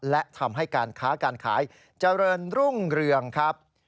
และทำให้การค้าการขายเจริญรุ่งเรืองครับ